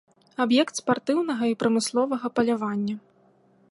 Аб'ект спартыўнага і прамысловага палявання.